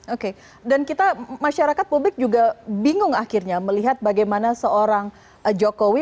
oke dan kita masyarakat publik juga bingung akhirnya melihat bagaimana seorang jokowi